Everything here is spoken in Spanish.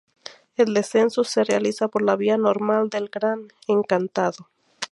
El descenso se realiza por la vía normal del Gran Encantado.